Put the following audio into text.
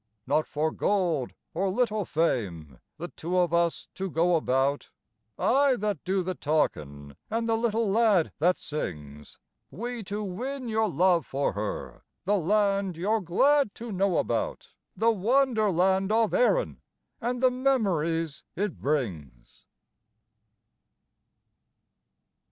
Not for gold or little fame the two of us to go about, I that do the talkin', and the little lad that sings, We to win your love for her, the Land you're glad to know about, The wonder land of Erin and the memories it brings.